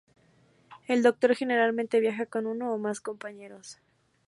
El Doctor generalmente viaja con uno o más compañeros.